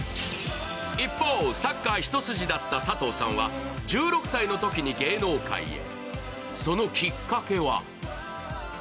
一方、サッカー一筋だった佐藤さんは１６歳のときに芸能界へ。